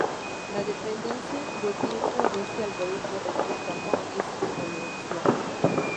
La dependencia de tiempo de este algoritmo respecto a "k" es exponencial.